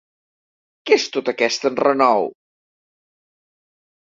Què és tot aquest enrenou?